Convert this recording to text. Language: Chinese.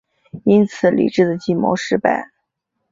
因此黎质的计谋失败。